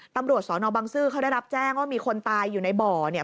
ตำรวจสอนอบังซื้อเขาได้รับแจ้งว่ามีคนตายอยู่ในบ่อเนี่ย